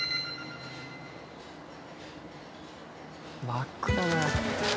真っ暗だ。